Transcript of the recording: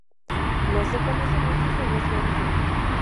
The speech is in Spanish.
No se conoce mucho sobre su origen.